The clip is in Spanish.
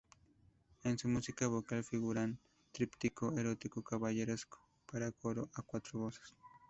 En su música vocal figuran: "Tríptico erótico caballeresco", para coro a cuatro voces.